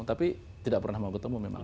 tapi tidak pernah mau ketemu memang